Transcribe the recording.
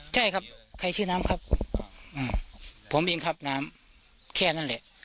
ใช่ครับใครชื่อน้ำครับผมเองครับน้ำแค่นั้นแหละ